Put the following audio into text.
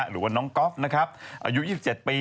หรือว่าน๊กกอฟอายุ๒๗ปี